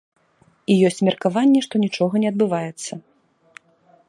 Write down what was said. І ёсць меркаванне, што нічога не адбываецца.